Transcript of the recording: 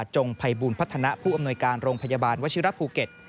จงภัยบูลพัฒนาผู้อำนวยการโรงพยาบาลวชิระภูเก็ต